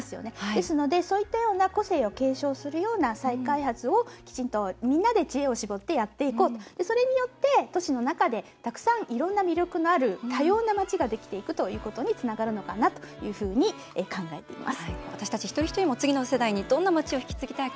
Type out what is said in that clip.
ですので、そういったような個性を継承するような再開発をきちんと、みんなで知恵を絞ってやっていこうそれによって都市の中でたくさん、いろんな魅力がある多様な街ができていくということにつながるかなと考えています。